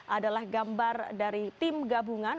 adalah gambar dari tim gabungan